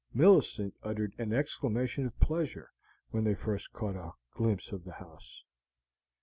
Millicent uttered an exclamation of pleasure when they first caught a glimpse of the house.